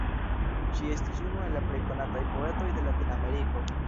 Ŝi estis unu el la plej konataj poetoj de Latinameriko.